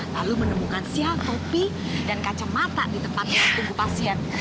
lalu menemukan sial topi dan kacamata di tempat tunggu pasien